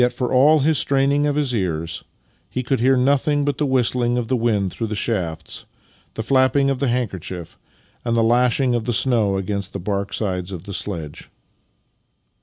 for all his straining of his ears, he could hear nothing but the whistling of the wind through the shafts, the flapping of the handkerchief, and the lashing of the snow against the bark sides of the sledge.